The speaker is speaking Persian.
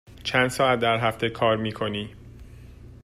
چند ساعت در هفته کار می کنی؟